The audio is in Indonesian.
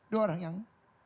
dua orang yang